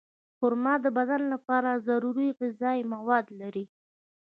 خرما د بدن لپاره ضروري غذایي مواد لري.